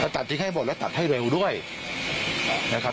ตัดทิ้งให้หมดและตัดให้เร็วด้วยนะครับ